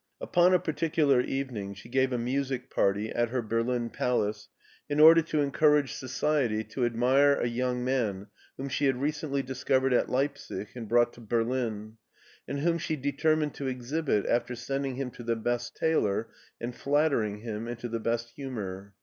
Upon a particular evening she gave a music party at her Berlin palace in order to encourage society to admire a young man whom she had recently discovered at Leipsic and brought to Berlin, and whom she de termined to exhibit after sending him to the best tailor and flattering him into the best humor.